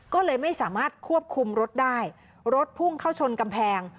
ก็เลยไม่สามารถควบคุมรถได้รถพุ่งเข้าชนกำแพง